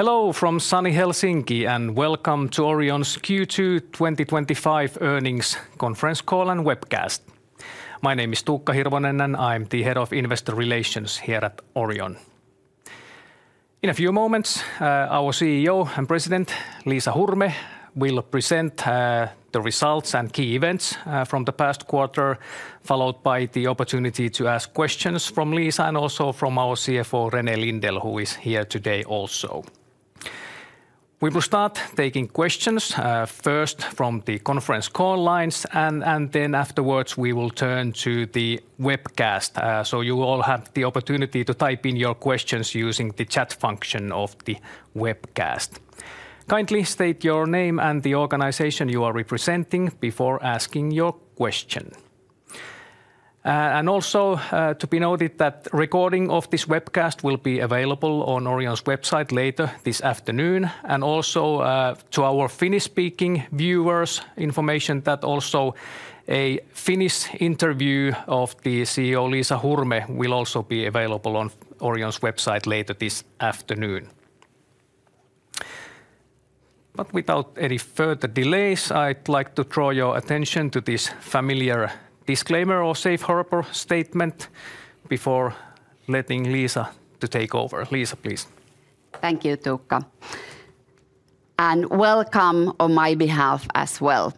Hello from sunny Helsinki, and welcome to Orion's Q2 2025 earnings conference call and webcast. My name is Tuukka Hirvonen, and I am the Head of Investor Relations here at Orion. In a few moments, our CEO and President, Liisa Hurme, will present the results and key events from the past quarter, followed by the opportunity to ask questions from Liisa and also from our CFO, René Lindell, who is here today also. We will start taking questions first from the conference call lines, and then afterwards we will turn to the webcast. So you all have the opportunity to type in your questions using the chat function of the webcast. Kindly state your name and the organization you are representing before asking your question. Also to be noted that recording of this webcast will be available on Orion's website later this afternoon. Also to our Finnish-speaking viewers, information that also a. Finnish interview of the CEO, Liisa Hurme, will also be available on Orion's website later this afternoon. Without any further delays, I'd like to draw your attention to this familiar disclaimer or safe harbor statement before letting Liisa take over. Liisa, please. Thank you, Tuukka. And welcome on my behalf as well.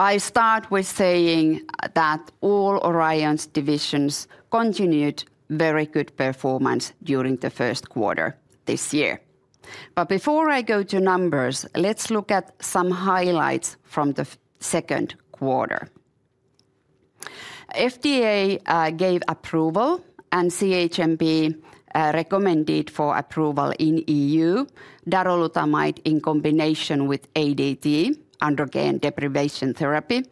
I start with saying that all Orion's divisions continued very good performance during the first quarter this year. But before I go to numbers, let's look at some highlights from the second quarter. FDA gave approval, and CHMP recommended for approval in EU darolutamide in combination with ADT, androgen deprivation therapy,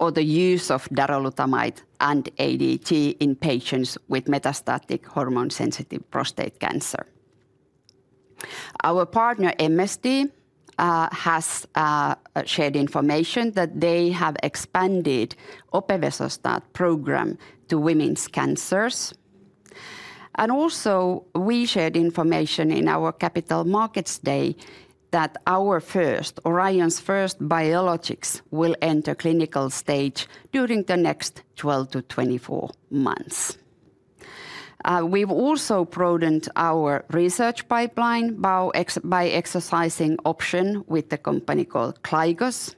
or the use of darolutamide and ADT in patients with metastatic hormone-sensitive prostate cancer. Our partner, MSD, has shared information that they have expanded the opevesostat program to women's cancers. Also we shared information in our Capital Markets Day that our first, Orion's first biologics, will enter clinical stage during the next 12-24 months. We've also broadened our research pipeline by exercising an option with the company called Glykos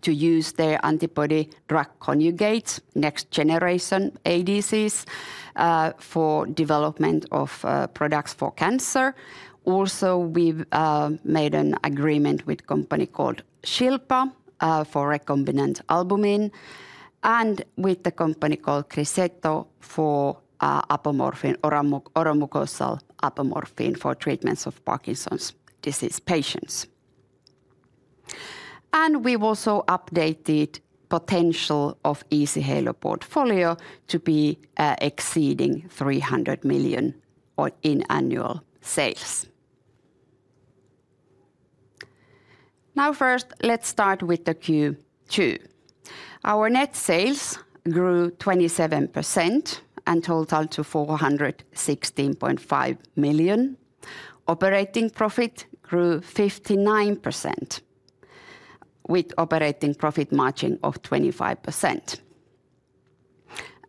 to use their antibody drug conjugates, next generation ADCs, for development of products for cancer. Also, we've made an agreement with a company called Shilpa for recombinant albumin, and with the company called Criceto for oral mucosal apomorphine for treatments of Parkinson's disease patients. We've also updated the potential of the Easyhaler portfolio to be exceeding 300 million in annual sales. Now, first, let's start with the Q2. Our net sales grew 27% and totaled to 416.5 million. Operating profit grew 59% with an operating profit margin of 25%.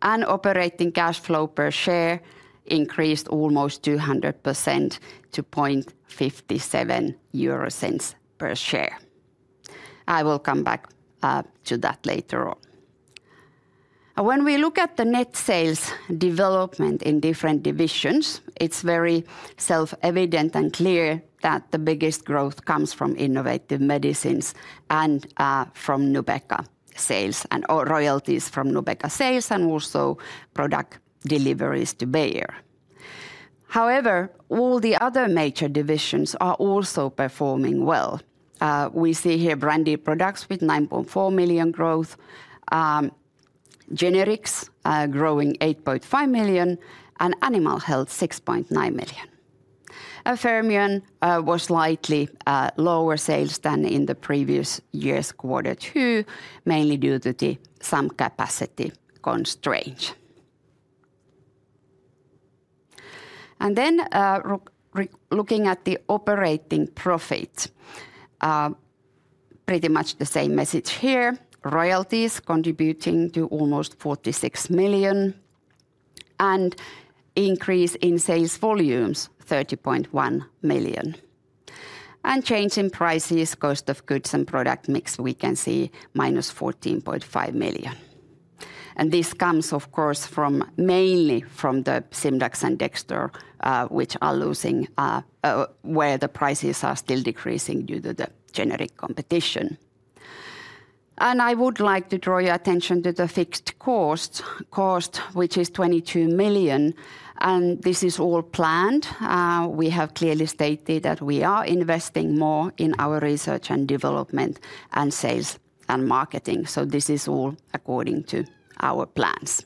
Operating cash flow per share increased almost 200% to 0.57 eurocents per share. I will come back to that later on. When we look at the net sales development in different divisions, it's very self-evident and clear that the biggest growth comes from innovative medicines and from Nubeqa sales and royalties from Nubeqa sales and also product deliveries to Bayer. However, all the other major divisions are also performing well. We see here branded products with 9.4 million growth. Generics growing 8.5 million, and animal health 6.9 million. Fermion was slightly lower sales than in the previous year's quarter two, mainly due to the some capacity constraints. Then looking at the operating profit, pretty much the same message here. Royalties contributing to almost 46 million and increase in sales volumes, 30.1 million. Change in prices, cost of goods and product mix, we can see -14.5 million. This comes, of course, mainly from the Simdax and Dexdor, which are losing where the prices are still decreasing due to the generic competition. I would like to draw your attention to the fixed cost, which is 22 million. This is all planned. We have clearly stated that we are investing more in our research and development and sales and marketing. So this is all according to our plans.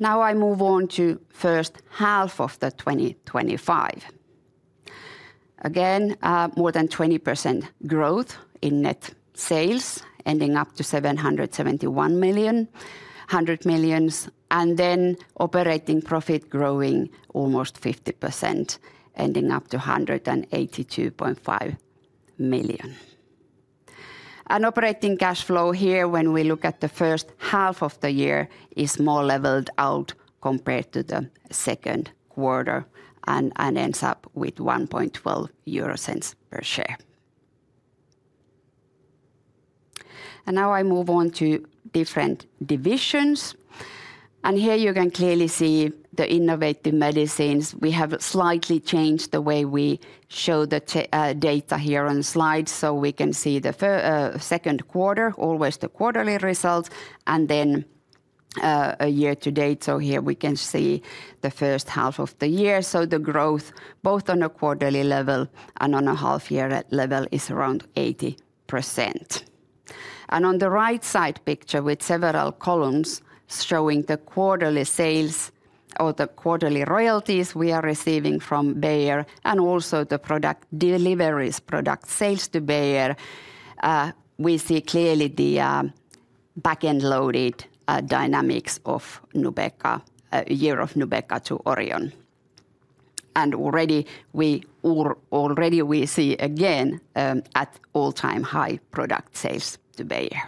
Now I move on to the first half of 2025. Again, more than 20% growth in net sales, ending up to 771 million, 100 millions, and then operating profit growing almost 50%, ending up to 182.5 million. Operating cash flow here, when we look at the first half of the year, is more leveled out compared to the second quarter and ends up with 1.12 euro per share. Now I move on to different divisions. Here you can clearly see the innovative medicines. We have slightly changed the way we show the data here on slides, so we can see the second quarter, always the quarterly results, and then a year to date. So here we can see the first half of the year. So the growth, both on a quarterly level and on a half-year level, is around 80%. On the right side picture with several columns showing the quarterly sales or the quarterly royalties we are receiving from Bayer and also the product deliveries, product sales to Bayer. We see clearly the back-end loaded dynamics of year of Nubeqa to Orion. Already we see again at all-time high product sales to Bayer.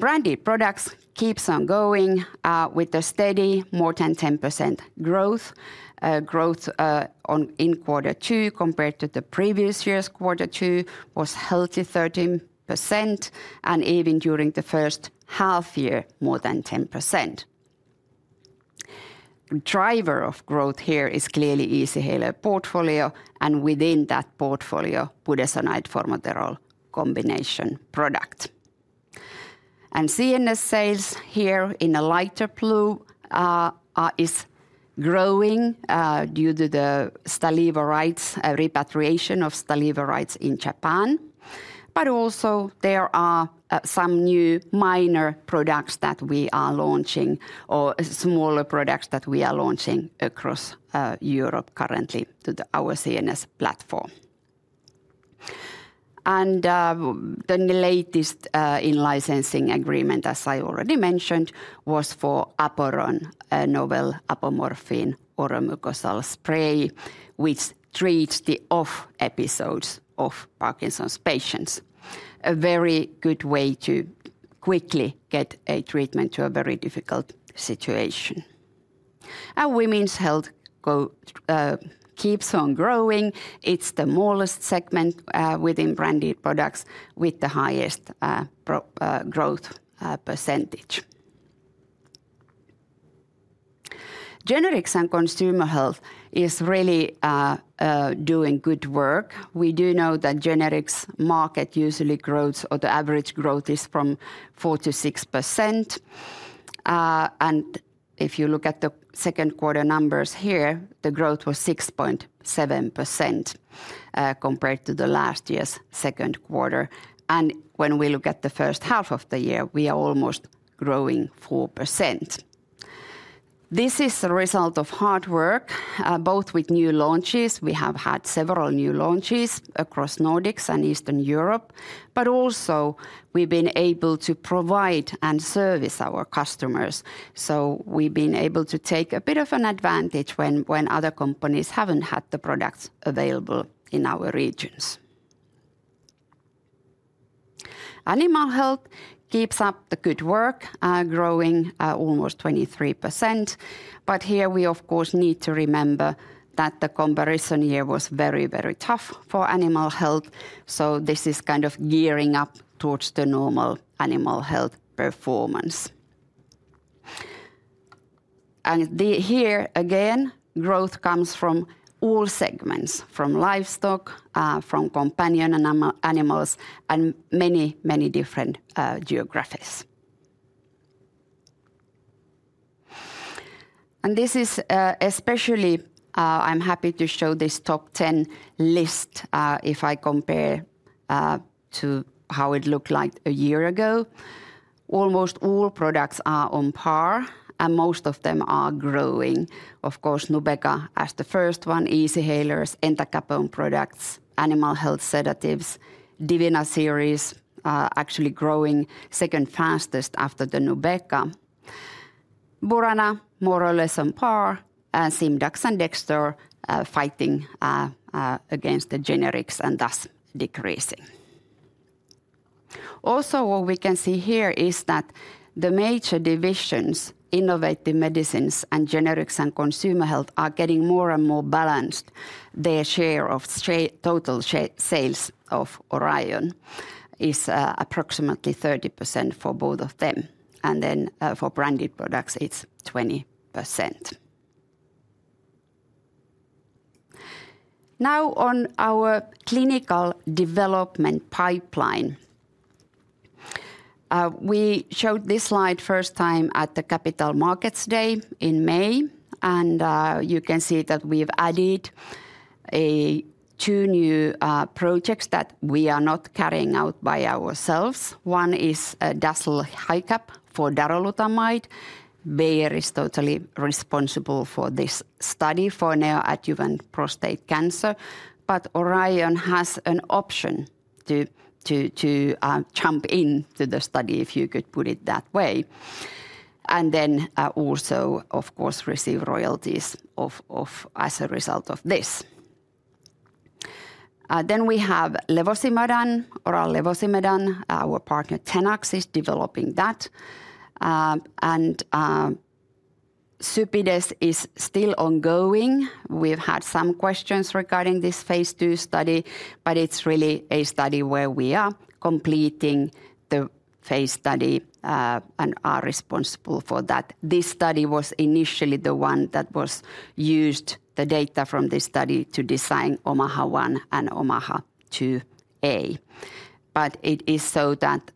Branded products keep on going with a steady more than 10% growth. Growth in quarter two compared to the previous year's quarter two was healthy 13%, and even during the first half year, more than 10%. The driver of growth here is clearly Easyhaler portfolio, and within that portfolio, budesonide/formoterol combination product. CNS sales here in a lighter blue is growing due to the repatriation of Stalevo rights in Japan. But also there are some new minor products that we are launching, or smaller products that we are launching across Europe currently to our CNS platform. The latest in licensing agreement, as I already mentioned, was for APORON, a novel apomorphine oral mucosal spray, which treats the off episodes of Parkinson's patients. A very good way to quickly get a treatment to a very difficult situation. Women's health keeps on growing. It's the smallest segment within branded products with the highest growth percentage. Generics and consumer health is really doing good work. We do know that generics market usually grows, or the average growth is from 4%-6%. If you look at the second quarter numbers here, the growth was 6.7% compared to the last year's second quarter. When we look at the first half of the year, we are almost growing 4%. This is a result of hard work, both with new launches. We have had several new launches across Nordics and Eastern Europe, but also we've been able to provide and service our customers. So we've been able to take a bit of an advantage when other companies haven't had the products available in our regions. Animal health keeps up the good work, growing almost 23%. But here we, of course, need to remember that the comparison year was very, very tough for animal health. So this is kind of gearing up towards the normal animal health performance. Here again, growth comes from all segments, from livestock, from companion animals, and many, many different geographies. This is especially, I'm happy to show this top 10 list if I compare to how it looked like a year ago. Almost all products are on par, and most of them are growing. Of course, Nubeqa as the first one, Easyhaler, entacapone products, animal health sedatives, Divina series actually growing second fastest after the Nubeqa. Burana more or less on par, and Simdax and Dexdor fighting against the generics and thus decreasing. Also, what we can see here is that the major divisions, innovative medicines and generics and consumer health, are getting more and more balanced. Their share of total sales of Orion is approximately 30% for both of them. Then for branded products, it's 20%. Now, on our clinical development pipeline. We showed this slide first time at the Capital Markets Day in May. You can see that we've added two new projects that we are not carrying out by ourselves. One is DASL-HiCaP for darolutamide. Bayer is totally responsible for this study for neoadjuvant prostate cancer. But Orion has an option to jump into the study, if you could put it that way. Then also, of course, receive royalties as a result of this. We have levosimendan, oral levosimendan. Our partner Tenax is developing that. CYPIDES is still ongoing. We've had some questions regarding this phase II study, but it's really a study where we are completing the phase study and are responsible for that. This study was initially the one that was used the data from this study to design OMAHA1 and OMAHA2a. But it is so that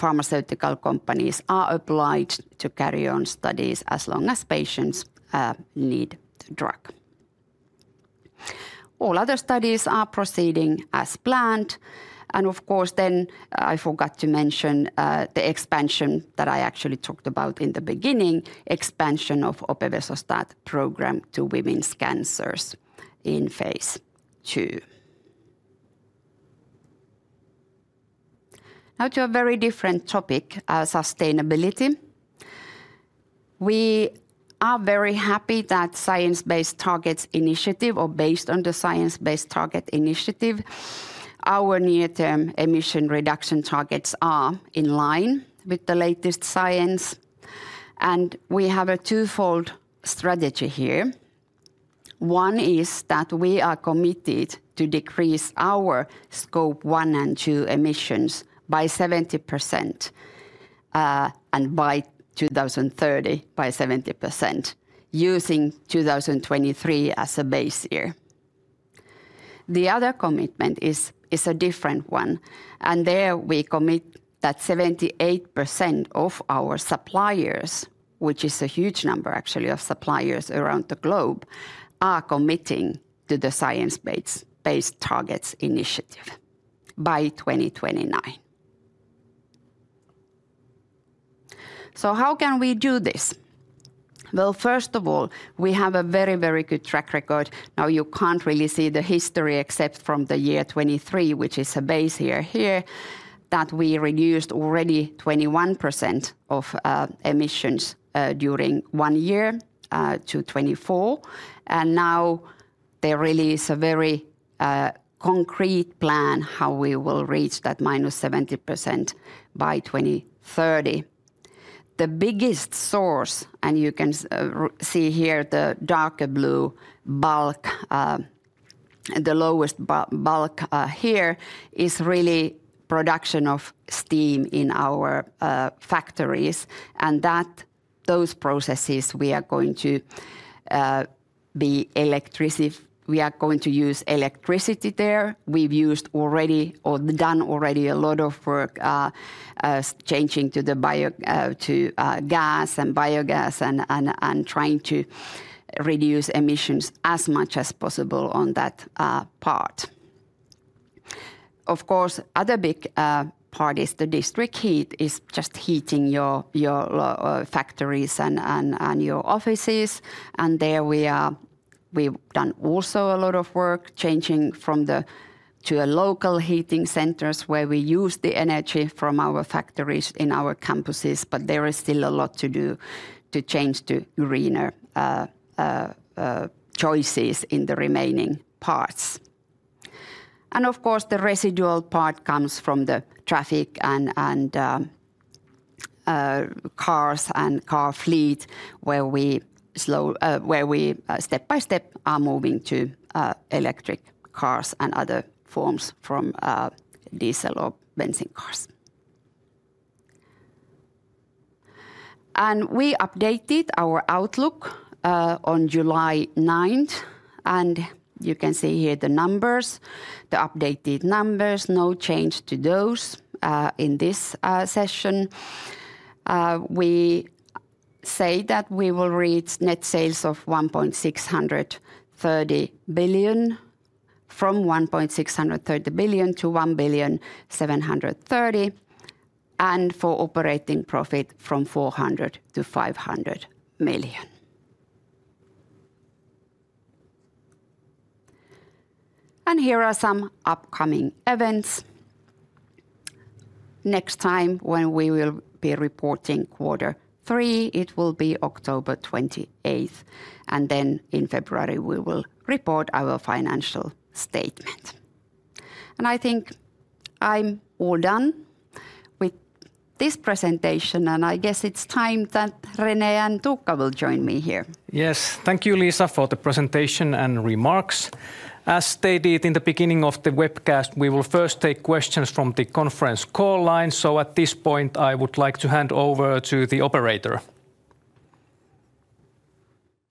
pharmaceutical companies are obliged to carry on studies as long as patients need the drug. All other studies are proceeding as planned. Of course, then I forgot to mention the expansion that I actually talked about in the beginning, expansion of opevesostat program to women's cancers in phase II. Now to a very different topic, sustainability. We are very happy that Science Based Targets initiative or based on the Science Based Targets initiative. Our near-term emission reduction targets are in line with the latest science. We have a twofold strategy here. One is that we are committed to decrease our scope 1 and 2 emissions by 70% by 2030 by 70%, using 2023 as a base year. The other commitment is a different one. There we commit that 78% of our suppliers, which is a huge number actually of suppliers around the globe, are committing to the Science Based Targets initiative by 2029. So how can we do this? Well, first of all, we have a very, very good track record. Now, you can't really see the history except from the year 2023, which is a base year here, that we reduced already 21% of emissions during one year to 24. Now there really is a very concrete plan how we will reach that minus 70% by 2030. The biggest source, and you can see here the darker blue. Bulk. The lowest bulk here is really production of steam in our factories. Those processes we are going to be electricity. We are going to use electricity there. We've used already or done already a lot of work changing to gas and biogas and trying to reduce emissions as much as possible on that part. Of course, other big part is the district heat, is just heating your factories and your offices. There we are. We've done also a lot of work changing from the to a local heating centers where we use the energy from our factories in our campuses. But there is still a lot to do to change to greener choices in the remaining parts. Of course, the residual part comes from the traffic and cars and car fleet where we step by step are moving to electric cars and other forms from diesel or benzine cars. We updated our outlook on July 9th. You can see here the numbers, the updated numbers, no change to those in this session. We say that we will reach net sales of 1.630 billion from 1.630 billion to 1.730 billion. For operating profit from 400 million to 500 million. Here are some upcoming events. Next time when we will be reporting quarter three, it will be October 28th. Then in February, we will report our financial statement. I think I'm all done with this presentation. I guess it's time that René and Tuukka will join me here. Yes, thank you, Liisa, for the presentation and remarks. As stated in the beginning of the webcast, we will first take questions from the conference call line. So at this point, I would like to hand over to the operator.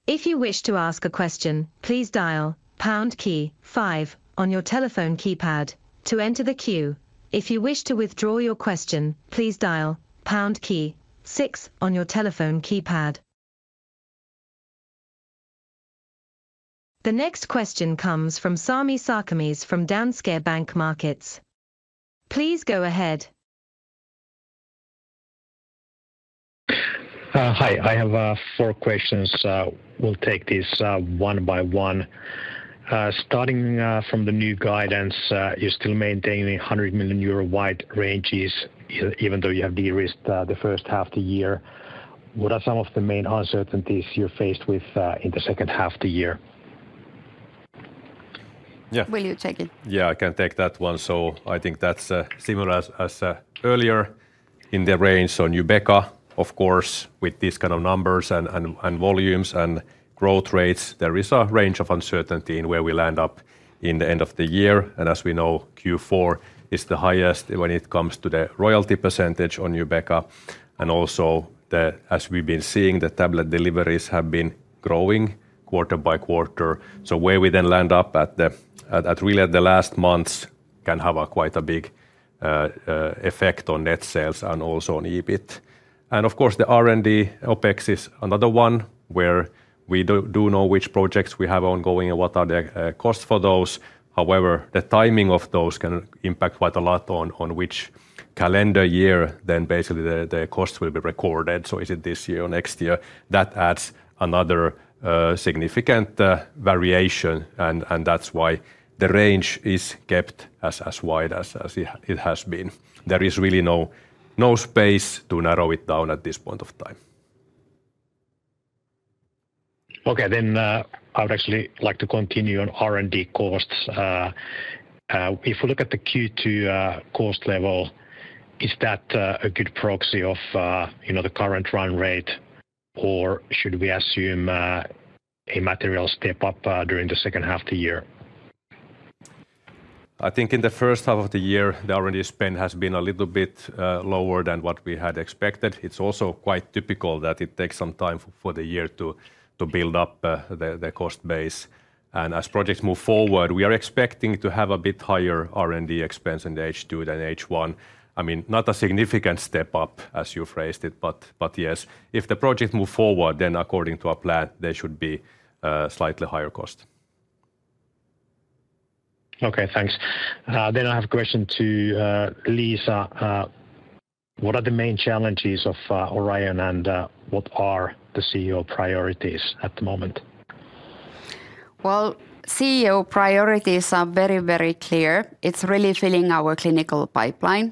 If you wish to ask a question, please dial pound key five on your telephone keypad to enter the queue. If you wish to withdraw your question, please dial pound key six on your telephone keypad. The next question comes from Sami Sarkamies from Danske Bank Markets. Please go ahead. Hi, I have four questions. We'll take these one by one. Starting from the new guidance, you're still maintaining 100 million euro wide ranges even though you have de-risked the first half of the year. What are some of the main uncertainties you're faced with in the second half of the year? Will you take it? Yeah, I can take that one. So I think that's similar as earlier in the range on Nubeqa, of course, with these kind of numbers and volumes and growth rates, there is a range of uncertainty in where we land up in the end of the year. As we know, Q4 is the highest when it comes to the royalty percentage on Nubeqa. Also, as we've been seeing, the tablet deliveries have been growing quarter by quarter. Where we then land up at, really at the last months can have quite a big effect on net sales and also on EBIT. And of course, the R&D OpEX is another one where we do know which projects we have ongoing and what are the costs for those. However, the timing of those can impact quite a lot on which calendar year then basically the costs will be recorded. Is it this year or next year? That adds another significant variation. And that's why the range is kept as wide as it has been. There is really no space to narrow it down at this point of time. Okay, then I would actually like to continue on R&D costs. If we look at the Q2 cost level, is that a good proxy of the current run rate or should we assume a material step up during the second half of the year? I think in the first half of the year, the R&D spend has been a little bit lower than what we had expected. It's also quite typical that it takes some time for the year to build up the cost base. And as projects move forward, we are expecting to have a bit higher R&D expense in the H2 than H1. I mean, not a significant step up as you phrased it, but yes, if the projects move forward, then according to our plan, they should be slightly higher cost. Okay, thanks. Then I have a question to Liisa. What are the main challenges of Orion and what are the CEO priorities at the moment? Well, CEO priorities are very, very clear. It's really filling our clinical pipeline.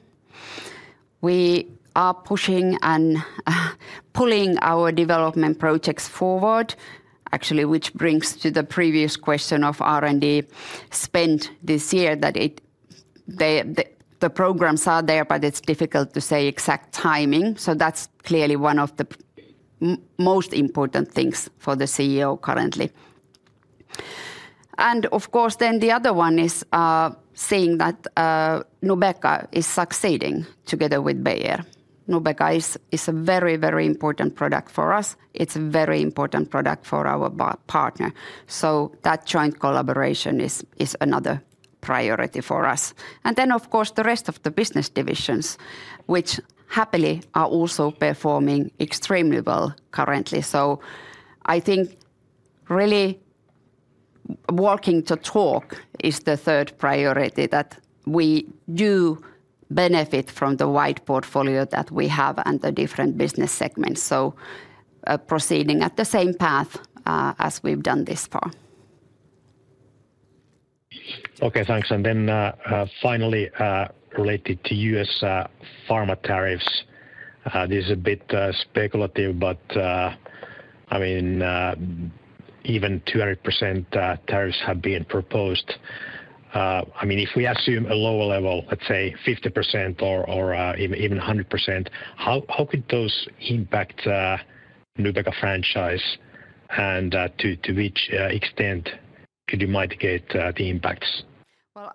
We are pushing and pulling our development projects forward, actually, which brings to the previous question of R&D spend this year that the programs are there, but it's difficult to say exact timing. That's clearly one of the most important things for the CEO currently. And of course, then the other one is seeing that Nubeqa is succeeding together with Bayer. Nubeqa is a very, very important product for us. It's a very important product for our partner. That joint collaboration is another priority for us. And then, of course, the rest of the business divisions, which happily are also performing extremely well currently. I think really working to talk is the third priority that we do benefit from the wide portfolio that we have and the different business segments. Proceeding at the same path as we've done this far. Okay, thanks. And then finally, related to U.S. pharma tariffs. This is a bit speculative, but I mean even 200% tariffs have been proposed. I mean, if we assume a lower level, let's say 50% or even 100%, how could those impact Nubeqa franchise and to which extent could you mitigate the impacts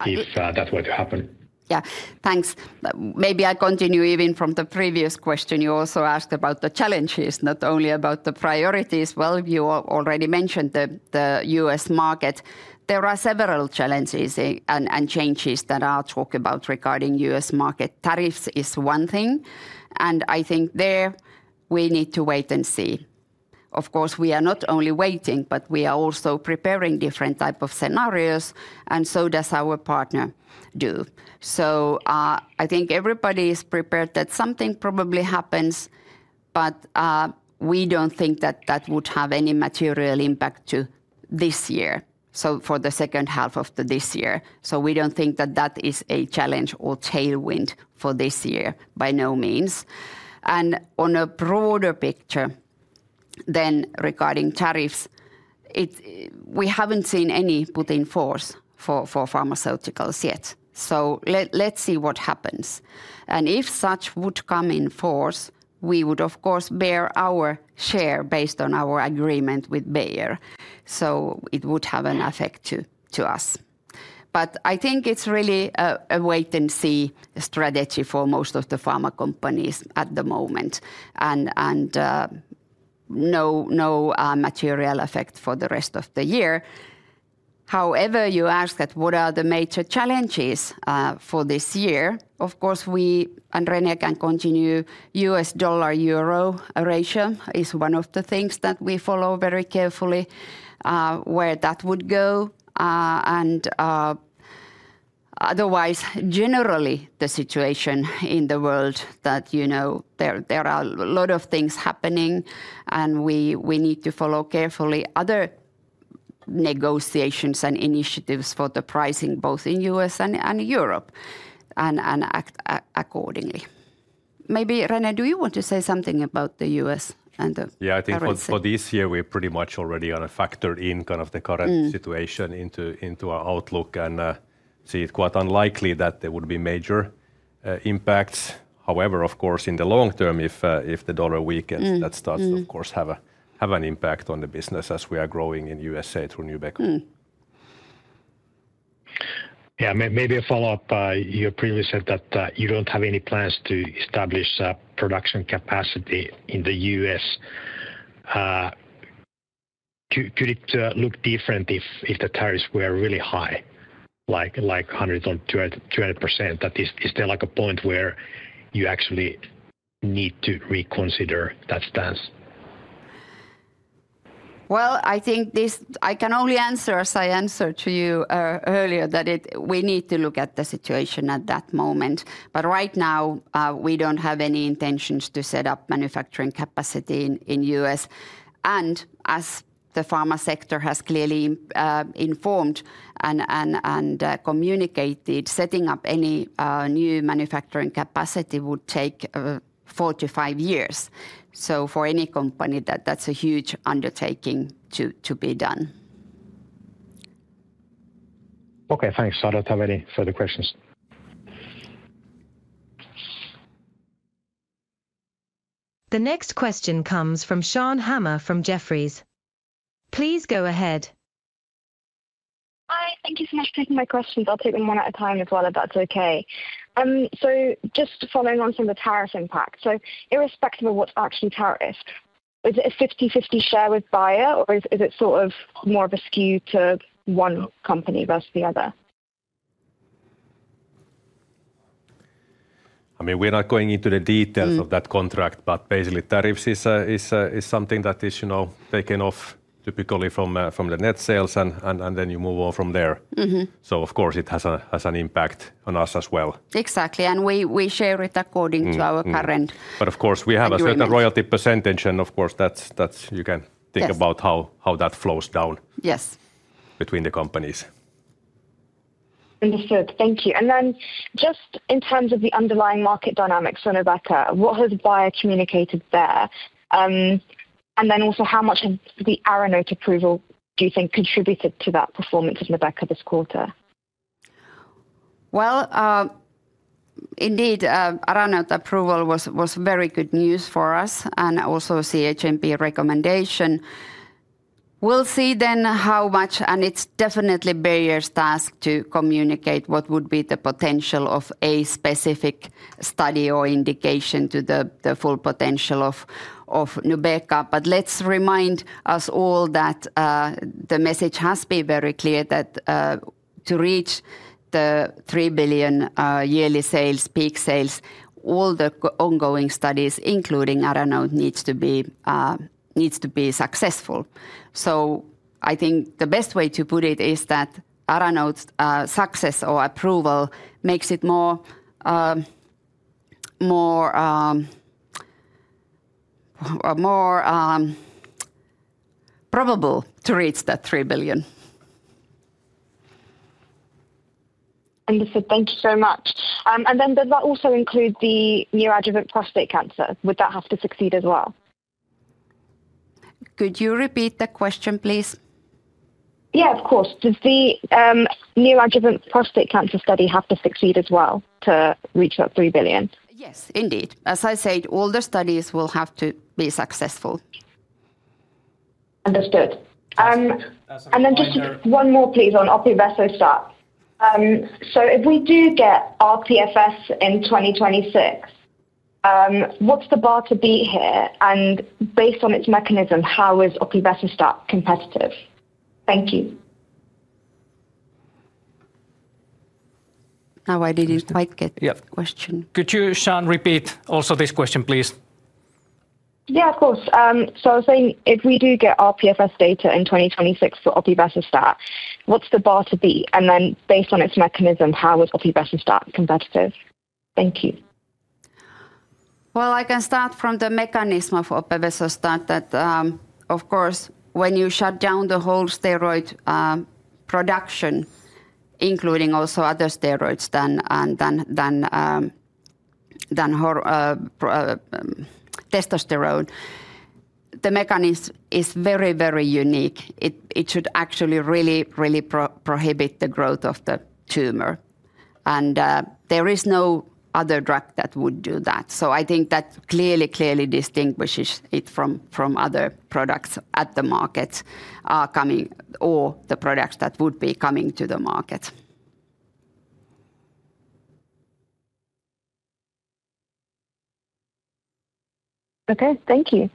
if that were to happen? Yeah, thanks. Maybe I continue even from the previous question. You also asked about the challenges, not only about the priorities. Well, you already mentioned the U.S. market. There are several challenges and changes that are talked about regarding U.S. market tariffs is one thing. I think there we need to wait and see. Of course, we are not only waiting, but we are also preparing different types of scenarios. So does our partner do. So I think everybody is prepared that something probably happens, but we don't think that that would have any material impact to this year, so for the second half of this year. So we don't think that that is a challenge or tailwind for this year, by no means. On a broader picture then regarding tariffs, we haven't seen any put in force for pharmaceuticals yet. So let's see what happens. If such would come in force, we would, of course, bear our share based on our agreement with Bayer. So it would have an effect to us. But I think it's really a wait and see strategy for most of the pharma companies at the moment. No material effect for the rest of the year. However, you asked that what are the major challenges for this year. Of course, we and René can continue U.S. dollar euro ratio is one of the things that we follow very carefully. Where that would go. Otherwise, generally the situation in the world that you know there are a lot of things happening and we need to follow carefully other negotiations and initiatives for the pricing both in U.S. and Europe. Act accordingly. Maybe René, do you want to say something about the U.S. and the tariffs? Yeah, I think for this year we're pretty much already on a factored in kind of the current situation into our outlook and see it quite unlikely that there would be major impacts. However, of course, in the long term, if the dollar weakens, that starts, of course, to have an impact on the business as we are growing in U.S.A through Nubeqa. Yeah, maybe a follow-up. You previously said that you don't have any plans to establish production capacity in the U.S. Could it look different if the tariffs were really high like 100%, 200%? Is there like a point where you actually need to reconsider that stance? Well, I think I can only answer as I answered to you earlier that we need to look at the situation at that moment. Right now, we don't have any intentions to set up manufacturing capacity in the U.S. As the pharma sector has clearly informed and communicated, setting up any new manufacturing capacity would take four to five years. So for any company, that's a huge undertaking to be done. Okay, thanks. I don't have any further questions. The next question comes from Shan Hama from Jefferies. Please go ahead. Hi, thank you so much for taking my questions. I'll take them one at a time as well, if that's okay. Just following on some of the tariff impacts. Irrespective of what's actually tariffed, is it a 50/50 share with Bayer or is it sort of more of a skew to one company versus the other? I mean, we're not going into the details of that contract, but basically tariffs is something that is taken off typically from the net sales and then you move on from there. Of course, it has an impact on us as well. Exactly. We share it according to our current. But of course, we have a certain royalty percentage and of course, you can think about how that flows down. Yes. Between the companies. Understood. Thank you. Just in terms of the underlying market dynamics for Nubeqa, what has Bayer communicated there? And then also how much has the ARANOTE approval, do you think, contributed to that performance of Nubeqa this quarter? Well. Indeed, ARANOTE approval was very good news for us and also CHMP recommendation. We'll see then how much, and it's definitely Bayer's task to communicate what would be the potential of a specific study or indication to the full potential of Nubeqa. But let's remind us all that the message has been very clear that to reach the 3 billion yearly sales, peak sales, all the ongoing studies, including ARANOTE, needs to be successful. I think the best way to put it is that ARANOTE's success or approval makes it more probable to reach that 3 billion. Understood. Thank you so much. Does that also include the new adjuvant prostate cancer? Would that have to succeed as well? Could you repeat the question, please? Yeah, of course. Does the new adjuvant prostate cancer study have to succeed as well to reach that 3 billion? Yes, indeed. As I said, all the studies will have to be successful. Understood. Just one more, please, on opevesostat. If we do get RPFS in 2026. What's the bar to be here? Based on its mechanism, how is opevesostat competitive? Thank you. Now I didn't quite get the question. Could you, Shan, repeat also this question, please? Yeah, of course. I was saying if we do get RPFS data in 2026 for opevesostat, what's the bar to be? Based on its mechanism, how is opevesostat competitive? Thank you. Well, I can start from the mechanism of opevesostat that, of course, when you shut down the whole steroid production. Including also other steroids than testosterone. The mechanism is very, very unique. It should actually really, really prohibit the growth of the tumor. There is no other drug that would do that. I think that clearly, clearly distinguishes it from other products at the market. Coming or the products that would be coming to the market. Okay, thank you.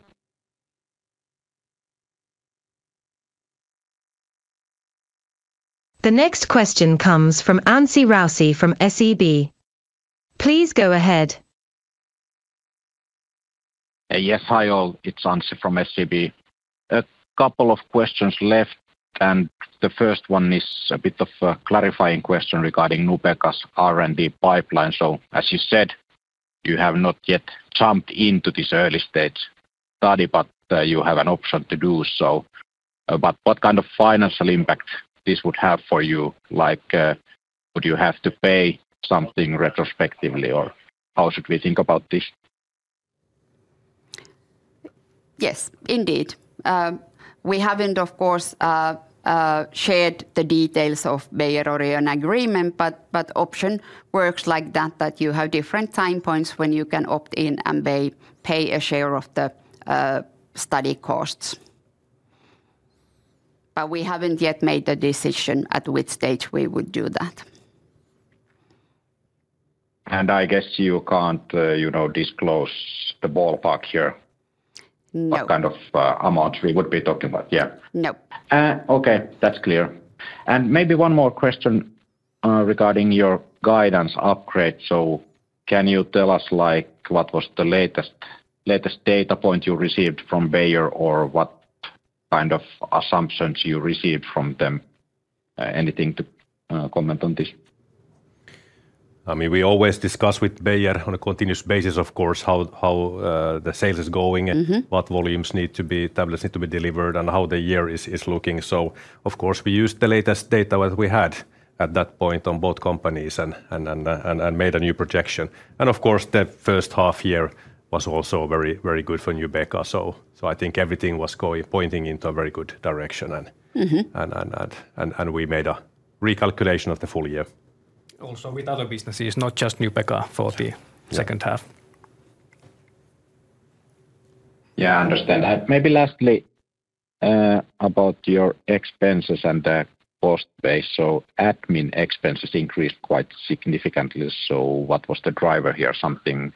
The next question comes from Anssi Raussi from SEB. Please go ahead. Yes, hi all, it's Ansi from SEB. A couple of questions left. The first one is a bit of a clarifying question regarding Nubeqa's R&D pipeline. As you said, you have not yet jumped into this early stage study, but you have an option to do so. But what kind of financial impact this would have for you? Like, would you have to pay something retrospectively or how should we think about this? Yes, indeed. We haven't, of course, shared the details of Bayer-Orion agreement, but the option works like that, that you have different time points when you can opt in and pay a share of the study costs. But we haven't yet made the decision at which stage we would do that. I guess you can't disclose the ballpark here. No. What kind of amount we would be talking about, yeah. No. Okay, that's clear. Maybe one more question regarding your guidance upgrade. Can you tell us what was the latest data point you received from Bayer or what kind of assumptions you received from them? Anything to comment on this? I mean, we always discuss with Bayer on a continuous basis, of course, how the sales are going. What volumes need to be, tablets need to be delivered, and how the year is looking. Of course, we used the latest data that we had at that point on both companies and made a new projection. Of course, the first half year was also very good for Nubeqa. I think everything was pointing into a very good direction. We made a recalculation of the full year. Also with other businesses, not just Nubeqa for the second half. Yeah, I understand. Maybe lastly about your expenses and the cost base. Admin expenses increased quite significantly. What was the driver here? Something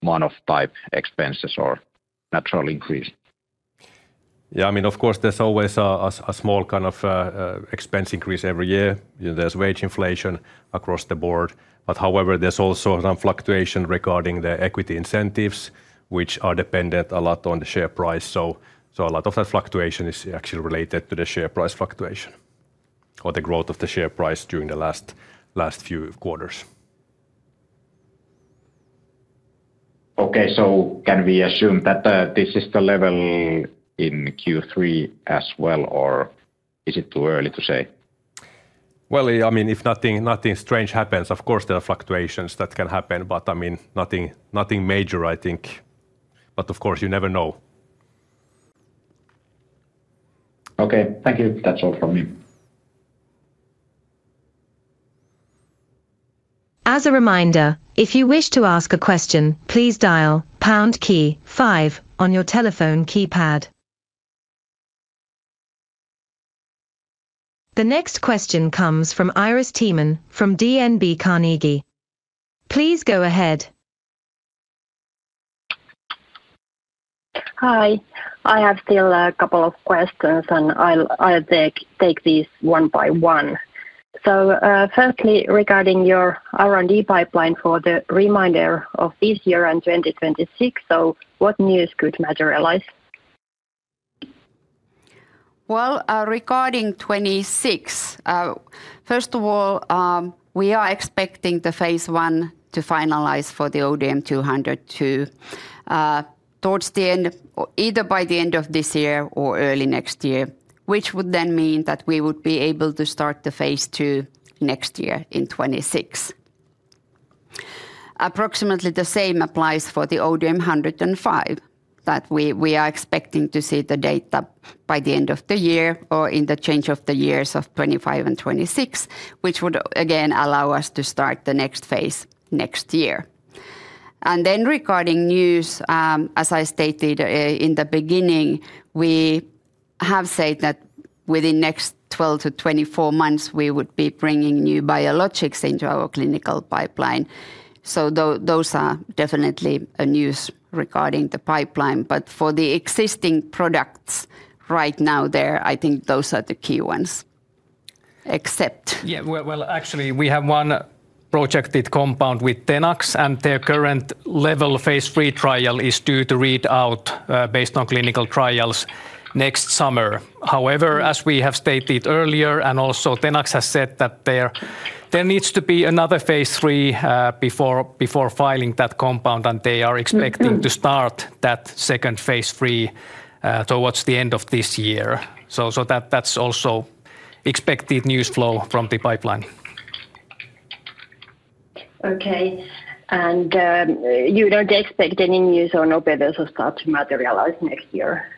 one-off type expenses or natural increase? Yeah, I mean, of course, there's always a small kind of expense increase every year. There's wage inflation across the board. But however, there's also some fluctuation regarding the equity incentives, which are dependent a lot on the share price. A lot of that fluctuation is actually related to the share price fluctuation or the growth of the share price during the last few quarters. Okay, so can we assume that this is the level in Q3 as well, or is it too early to say? Well, I mean, if nothing strange happens, of course, there are fluctuations that can happen, but I mean, nothing major, I think. But of course, you never know. Okay, thank you. That's all from me. As a reminder, if you wish to ask a question, please dial pound five on your telephone keypad. The next question comes from Iiris Theman from DNB Carnegie. Please go ahead. Hi, I have still a couple of questions, and I'll take these one by one. Firstly, regarding your R&D pipeline for the remainder of this year and 2026, so what news could materialize? Well, regarding 2026. First of all. We are expecting the phase one to finalize for the ODM-202. Towards the end, either by the end of this year or early next year, which would then mean that we would be able to start the phase II next year in 2026. Approximately the same applies for the ODM-105, that we are expecting to see the data by the end of the year or in the change of the years of 2025 and 2026, which would again allow us to start the next phase next year. And then regarding news, as I stated in the beginning, we have said that within the next 12-24 months, we would be bringing new biologics into our clinical pipeline. Those are definitely news regarding the pipeline. But for the existing products right now there, I think those are the key ones. Except— Yeah, well, actually, we have one projected compound with Tenax, and their current level phase three trial is due to read out based on clinical trials next summer. However, as we have stated earlier, and also Tenax has said that there needs to be another phase three before filing that compound, and they are expecting to start that second phase three towards the end of this year. That's also expected news flow from the pipeline. Okay. And you don't expect any news on opevesostat to materialize next year?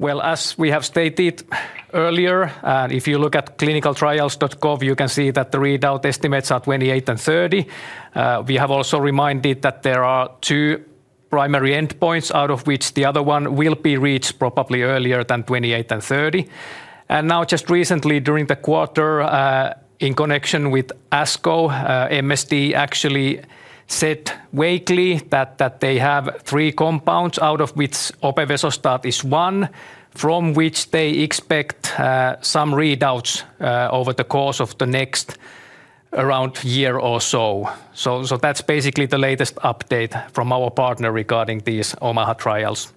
Well, as we have stated earlier, if you look at clinicaltrials.gov, you can see that the readout estimates are 2028 and 2030. We have also reminded that there are two primary endpoints, out of which the other one will be reached probably earlier than 2028 and 2030. And now, just recently, during the quarter, in connection with ASCO, MSD actually said weekly that they have three compounds, out of which opevesostat is one, from which they expect some readouts over the course of the next around year or so. That's basically the latest update from our partner regarding these OMAHA trials.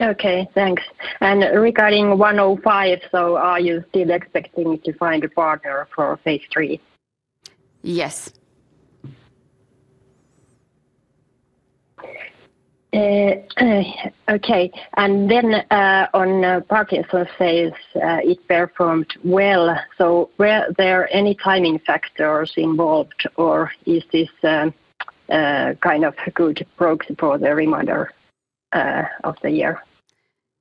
Okay, thanks. And regarding 105, so are you still expecting to find a partner for phase III? Yes. Okay, and then on Parkinson's phase, it performed well. Were there any timing factors involved, or is this. Kind of good proxy for the remainder. Of the year?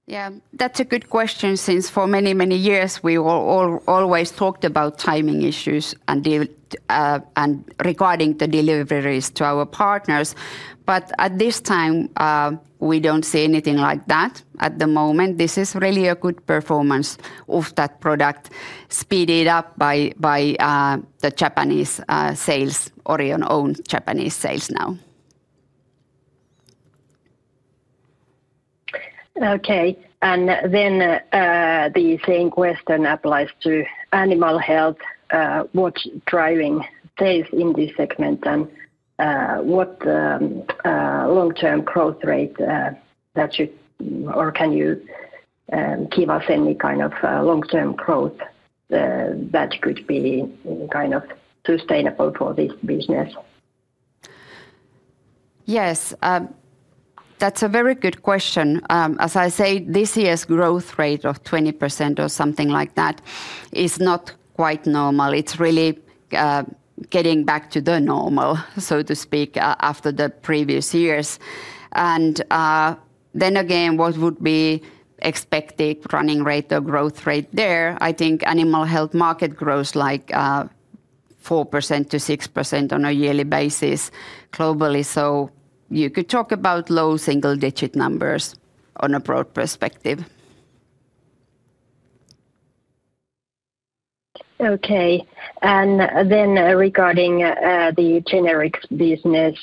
Yeah, that's a good question since for many, many years we always talked about timing issues. And regarding the deliveries to our partners. But at this time, we don't see anything like that at the moment. This is really a good performance of that product, speeded up by the Japanese sales, Orion-owned Japanese sales now. Okay, and then. The same question applies to animal health. What's driving phase in this segment and what long-term growth rate that you or can you give us? Any kind of long-term growth that could be kind of sustainable for this business? Yes. That's a very good question. As I said, this year's growth rate of 20% or something like that is not quite normal. It's really getting back to the normal, so to speak, after the previous years. Then again, what would be expected running rate or growth rate there? I think animal health market grows like 4%-6% on a yearly basis globally. So you could talk about low single-digit numbers on a broad perspective. Okay, and then regarding the generic business.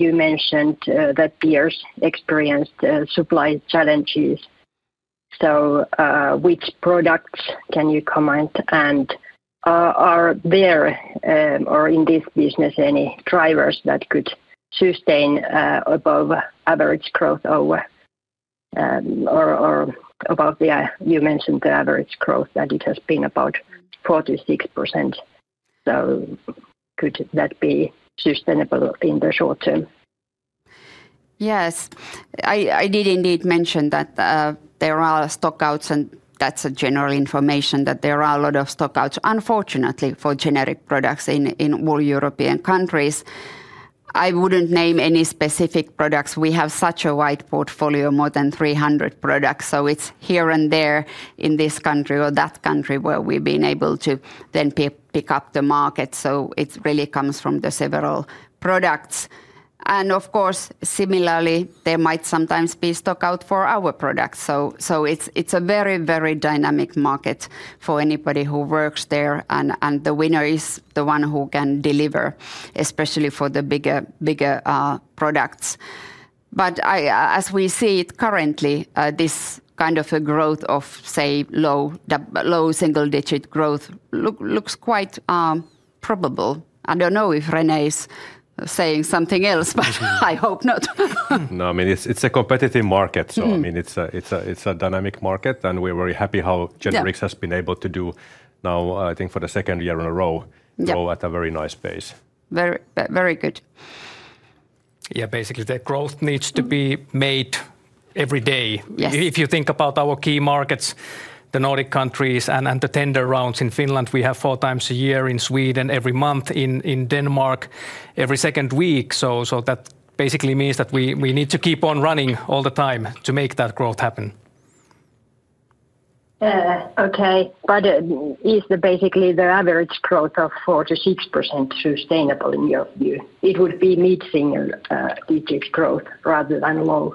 You mentioned that peers experienced supply challenges. So which products can you comment on? Are there or in this business any drivers that could sustain above average growth over or above the, you mentioned the average growth that it has been about 4%-6%? So could that be sustainable in the short term? Yes. I did indeed mention that. There are stockouts, and that's a general information that there are a lot of stockouts, unfortunately, for generic products in all European countries. I wouldn't name any specific products. We have such a wide portfolio, more than 300 products. So it's here and there in this country or that country where we've been able to then pick up the market. So it really comes from the several products. Of course, similarly, there might sometimes be stockout for our products. So it's a very, very dynamic market for anybody who works there. The winner is the one who can deliver, especially for the bigger products. As we see it currently, this kind of a growth of, say, low single-digit growth looks quite probable. I don't know if René is saying something else, but I hope not. No, I mean, it's a competitive market. So I mean, it's a dynamic market. We're very happy how generics has been able to do now, I think, for the second year in a row, go at a very nice pace. Very good. Yeah, basically, the growth needs to be made every day. If you think about our key markets, the Nordic countries and the tender rounds in Finland, we have four times a year in Sweden, every month in Denmark, every second week. So that basically means that we need to keep on running all the time to make that growth happen. Okay, but is basically the average growth of 4%-6% sustainable in your view? It would be mid-single digit growth rather than low.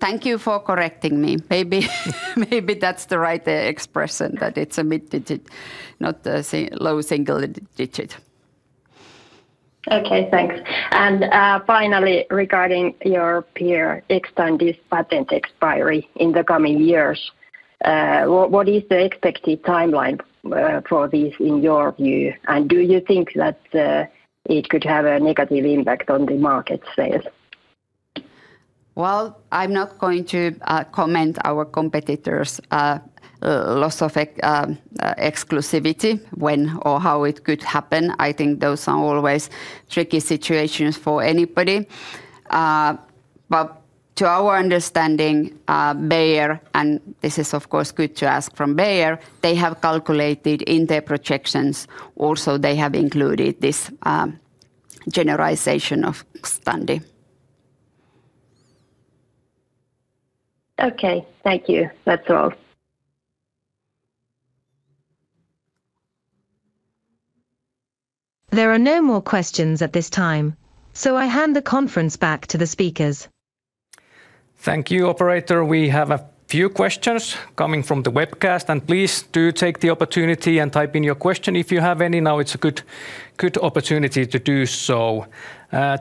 Thank you for correcting me. Maybe that's the right expression, that it's a mid-digit, not a low single digit. Okay, thanks. Finally, regarding your peer extend this patent expiry in the coming years. What is the expected timeline for this in your view? Do you think that it could have a negative impact on the market sales? I'm not going to comment on our competitors. Loss of exclusivity when or how it could happen. I think those are always tricky situations for anybody. But to our understanding, Bayer, and this is of course good to ask from Bayer, they have calculated in their projections. Also, they have included this generalization of Nubeqa. Okay, thank you. That's all. There are no more questions at this time, so I hand the conference back to the speakers. Thank you, Operator. We have a few questions coming from the webcast, and please do take the opportunity and type in your question if you have any. Now it's a good opportunity to do so.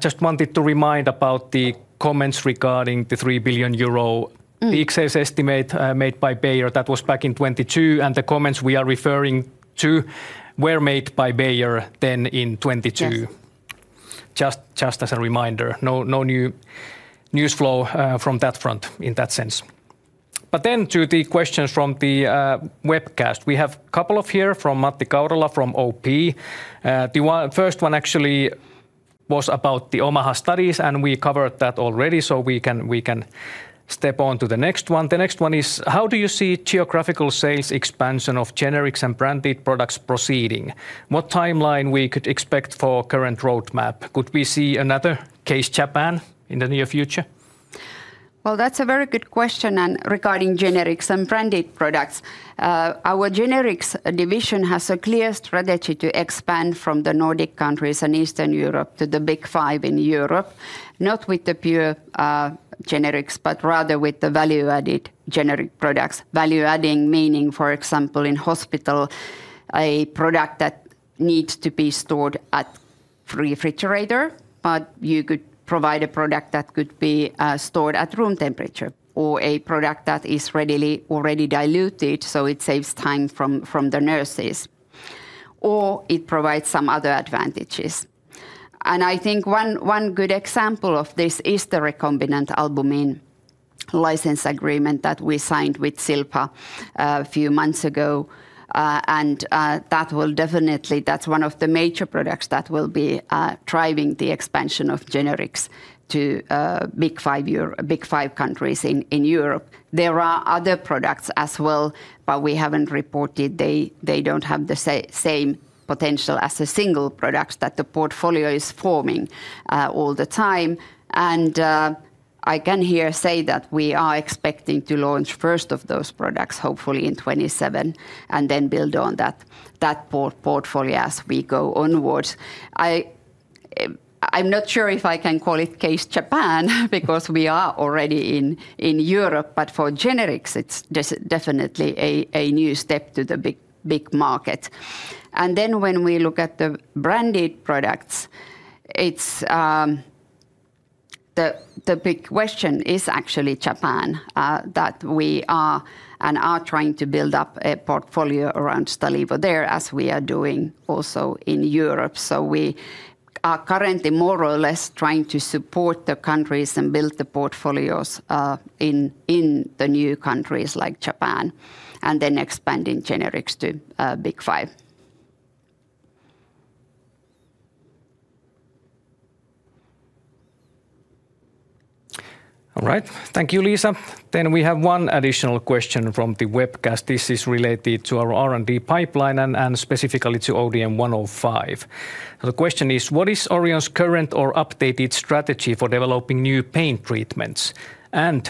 Just wanted to remind about the comments regarding the 3 billion euro excess estimate made by Bayer. That was back in 2022, and the comments we are referring to were made by Bayer then in 2022. Just as a reminder, no new news flow from that front in that sense. But then to the questions from the webcast, we have a couple of here from Matti Kaurala from OP. The first one actually was about the Nubeqa studies, and we covered that already, so we can step on to the next one. The next one is, how do you see geographical sales expansion of generics and branded products proceeding? What timeline we could expect for current roadmap? Could we see another case Japan in the near future? Well, that's a very good question. Regarding generics and branded products, our generics division has a clear strategy to expand from the Nordic countries and Eastern Europe to the big five in Europe, not with the pure generics, but rather with the value-added generic products. Value-adding meaning, for example, in hospital, a product that needs to be stored at a refrigerator, but you could provide a product that could be stored at room temperature or a product that is readily already diluted, so it saves time from the nurses or it provides some other advantages. I think one good example of this is the recombinant albumin license agreement that we signed with Shilpa a few months ago. That will definitely, that's one of the major products that will be driving the expansion of generics to big five countries in Europe. There are other products as well, but we haven't reported they don't have the same potential as the single products that the portfolio is forming all the time. I can here say that we are expecting to launch first of those products, hopefully in 2027, and then build on that portfolio as we go onwards. I'm not sure if I can call it case Japan because we are already in Europe, but for generics, it's definitely a new step to the big market. Then when we look at the branded products, the big question is actually Japan, that we are and are trying to build up a portfolio around Stalevo there, as we are doing also in Europe. We are currently more or less trying to support the countries and build the portfolios in the new countries like Japan, and then expanding generics to big five. All right, thank you, Liisa. Then we have one additional question from the webcast. This is related to our R&D pipeline and specifically to ODM-105. The question is, what is Orion's current or updated strategy for developing new pain treatments?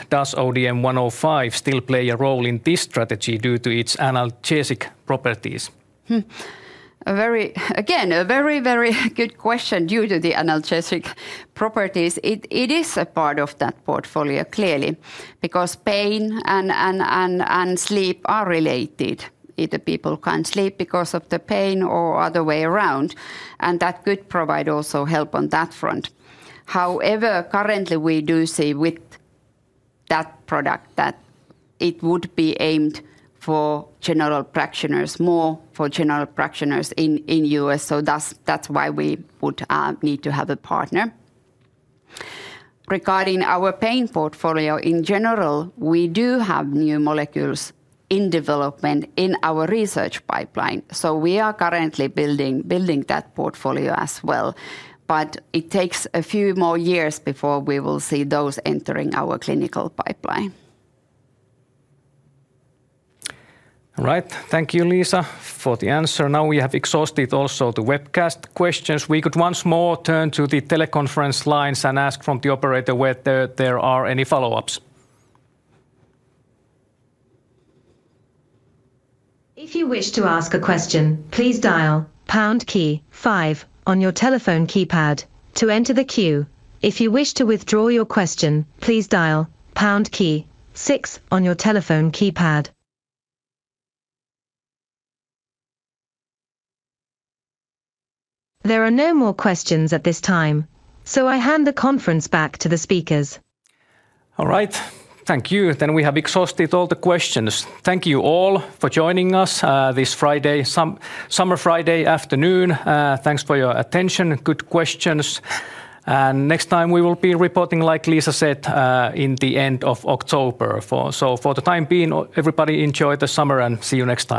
Does ODM-105 still play a role in this strategy due to its analgesic properties? Again, a very, very good question due to the analgesic properties. It is a part of that portfolio, clearly, because pain and sleep are related. Either people can't sleep because of the pain or other way around. That could provide also help on that front. However, currently we do see with that product that it would be aimed for general practitioners more, for general practitioners in the U.S. That's why we would need to have a partner. Regarding our pain portfolio in general, we do have new molecules in development in our research pipeline. We are currently building that portfolio as well. But it takes a few more years before we will see those entering our clinical pipeline. All right, thank you, Liisa, for the answer. Now we have exhausted also the webcast questions. We could once more turn to the teleconference lines and ask from the operator whether there are any follow-ups. If you wish to ask a question, please dial pound key five on your telephone keypad to enter the queue. If you wish to withdraw your question, please dial pound key six on your telephone keypad. There are no more questions at this time, so I hand the conference back to the speakers. All right, thank you. Then we have exhausted all the questions. Thank you all for joining us this Friday, Summer Friday afternoon. Thanks for your attention. Good questions. Next time we will be reporting, like Liisa said, in the end of October. For the time being, everybody enjoy the summer and see you next time.